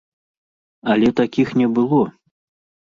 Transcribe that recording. Але такіх не было!